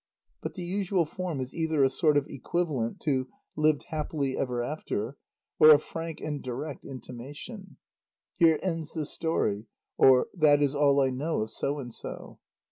But the usual form is either a sort of equivalent to "lived happily ever after," or a frank and direct intimation: "Here ends this story," or "That is all I know of so and so."